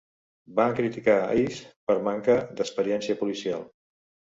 Van criticar Eaves per manca d'experiència policial.